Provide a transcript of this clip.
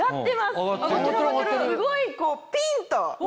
すごいこうピン！と。